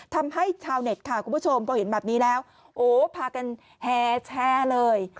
ทำให้ชาวเน็ตค่ะคุณผู้ชมพอเห็นแบบนี้แล้วโอ้พากันแห่แชร์เลย